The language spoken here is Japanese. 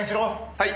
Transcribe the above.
はい。